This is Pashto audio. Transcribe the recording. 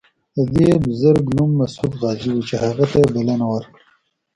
د دې بزرګ نوم مسعود غازي و چې هغه ته یې بلنه ورکړه.